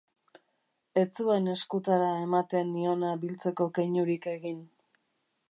Ez zuen eskutara ematen niona biltzeko keinurik egin.